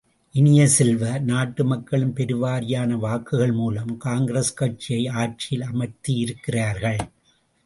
இனிய செல்வ, நாட்டு மக்கள் பெருவாரியான வாக்குகள் மூலம் காங்கிரஸ் கட்சியை ஆட்சியில் அமர்த்தியிருக்கிறார்கள்.